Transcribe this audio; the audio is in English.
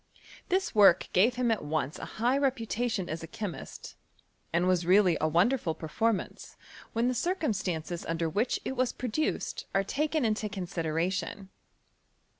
This work gave him at once a high reputation as a chemist, and was reallif a wonderful performance, when the circumstances under which it was produced are taken into consi deration.